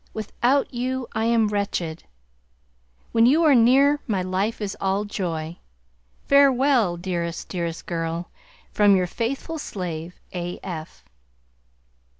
Without you, I am wretched, when you are near my life is all joy. Farewell, dearest, dearest girl! From your faithful slave A.F.